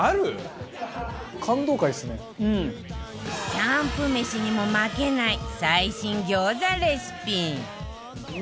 キャンプ飯にも負けない最新餃子レシピ！